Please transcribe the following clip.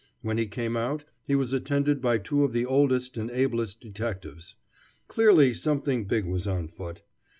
When he came out, he was attended by two of the oldest and ablest detectives. Clearly something big was on foot.